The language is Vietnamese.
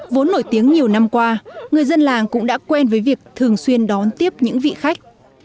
vốn nổi tiếng nhiều năm qua người dân làng cũng đã quen với việc thường xuyên đón tiếp những vị khách